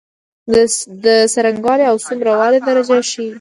د څرنګوالی او څومره والي درجه ښيي.